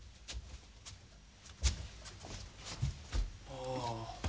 ああ。